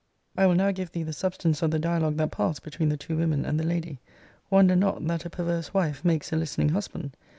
I will now give thee the substance of the dialogue that passed between the two women and the lady. Wonder not, that a perverse wife makes a listening husband.